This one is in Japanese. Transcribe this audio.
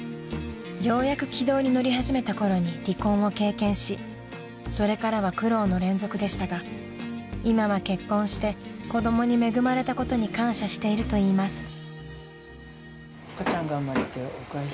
［ようやく軌道に乗り始めたころに離婚を経験しそれからは苦労の連続でしたが今は結婚して子供に恵まれたことに感謝しているといいます］